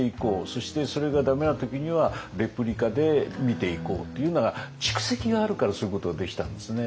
そしてそれが駄目な時にはレプリカで見ていこうっていうのが蓄積があるからそういうことができたんですね。